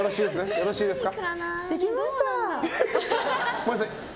よろしいですか？